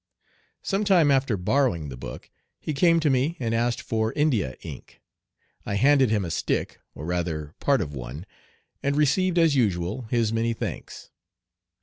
Some time after borrowing the book, he came to me and asked for India ink. I handed him a stick, or rather part of one, and received as usual his many thanks.